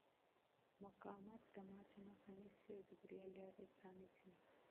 مقاومت د ماتې مخه نیسي او د بریا لارې پرانیزي.